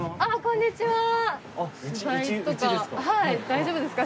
はい大丈夫ですか？